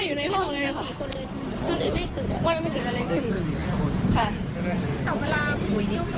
ไปกินอะไรไม่ได้ส่งคุณอะไรแบบนี้